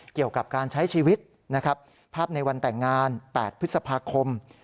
เกี่ยวกับการใช้ชีวิตนะครับภาพในวันแต่งงาน๘พฤษภาคม